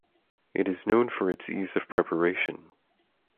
It is known for its ease of preparation.